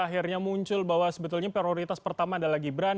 akhirnya muncul bahwa sebetulnya prioritas pertama adalah gibran